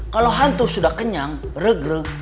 kalau hantu sudah kenyang regre